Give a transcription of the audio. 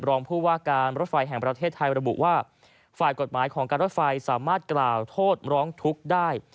รองผู้ว่าการรถไฟแห่งประเทศไทยระบุว่าฝ่ายกฎหมายของการรถไฟสามารถกล่าวโทษร้องทุกข์ได้